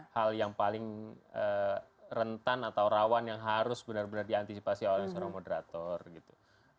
hal yang paling rentan atau rawan yang harus benar benar diantisipasi oleh seorang moderator gitu